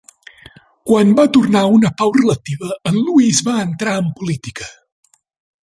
Quan va tornar una pau relativa, en Lewis va entrar en política.